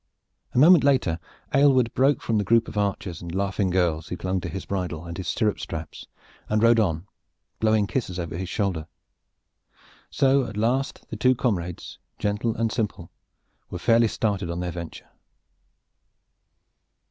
A moment later Aylward broke from the group of archers and laughing girls who clung to his bridle and his stirrup straps, and rode on, blowing kisses over his shoulder. So at last the two comrades, gentle and simple, were fairly started on their venture.